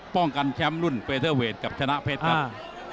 ป้องกันแชมป์รุ่นเฟเทอร์เวทกับชนะเพชรครับ